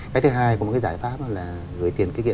cái thứ hai cũng là một cái giải pháp là